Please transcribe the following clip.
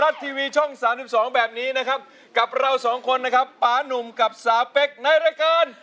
สองคนนะครับปานุ่มกับสาเป็กในรายการ